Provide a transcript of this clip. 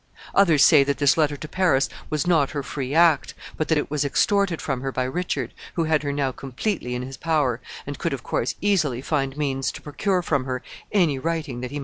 Others say that this letter to Paris was not her free act, but that it was extorted from her by Richard, who had her now completely in his power, and could, of course, easily find means to procure from her any writing that he might desire.